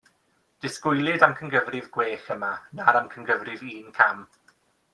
Disgwylid amcangyfrif gwell, yma, na'r amcangyfrif un-cam.